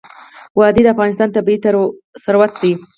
وادي د افغانستان طبعي ثروت دی.